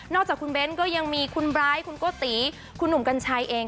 จากคุณเบ้นก็ยังมีคุณไบร์ทคุณโกติคุณหนุ่มกัญชัยเอง